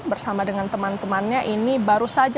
bersama dengan teman temannya ini baru saja